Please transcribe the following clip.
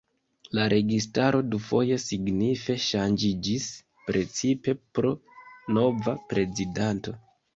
La registaro dufoje signife ŝanĝiĝis, precipe pro nova prezidanto.